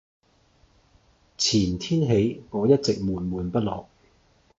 前天起我一直悶悶不樂